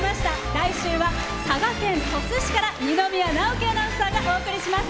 来週は佐賀県鳥栖市から二宮直輝アナウンサーがお送りします。